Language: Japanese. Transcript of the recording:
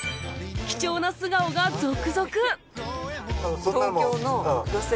貴重な素顔が続々！